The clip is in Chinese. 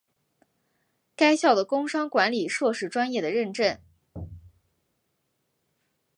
该校的工商管理硕士专业的认证。